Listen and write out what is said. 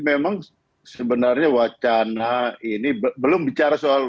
memang sebenarnya wacana ini belum bicara soal